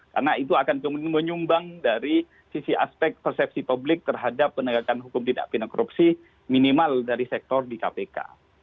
karena itu akan menyumbang dari sisi aspek persepsi publik terhadap penegakan hukum tidak pindah korupsi minimal dari sektor di kpk